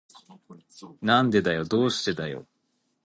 なんでだよ。どうしてだよ。